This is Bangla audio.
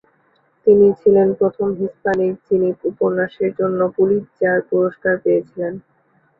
তিনি ছিলেন প্রথম হিস্পানিক যিনি উপন্যাসের জন্য পুলিৎজার পুরস্কার পেয়েছিলেন।